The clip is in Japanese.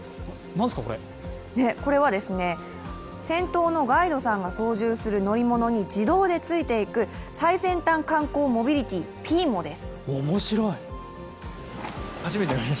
これは先頭のガイドさんが操縦する乗り物に自動でついていく最先端観光モビリティ、ＰｉｉＭｏです。